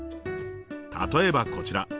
例えばこちら！